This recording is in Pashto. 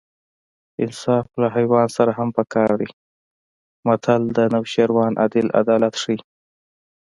انصاف له حیوان سره هم په کار دی متل د نوشیروان عادل عدالت ښيي